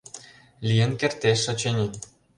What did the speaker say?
— Лийын кертеш, очыни.